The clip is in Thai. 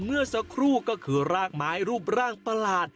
เมื่อสักครู่ก็คือรากไม้รูปร่างประหลาด